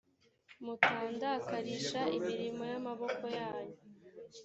mutandakarisha imirimo y’amaboko yanyu